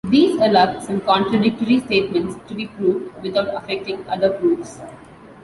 These allow some contradictory statements to be proved without affecting other proofs.